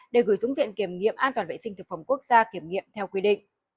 để gửi xuống viện kiểm nghiệm an toàn vệ sinh thực phẩm quốc gia kiểm nghiệm theo quy định